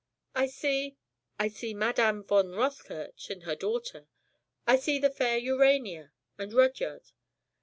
I see ... I see Madame von Rothkirch and her daughter, I see the fair Urania ... and Rudyard